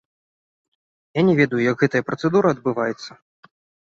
Я не ведаю, як гэтая працэдура адбываецца.